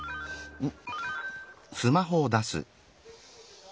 うん。